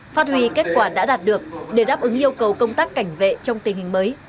phát huy kết quả đã đạt được để đáp ứng yêu cầu công tác cảnh vệ trong tình hình mới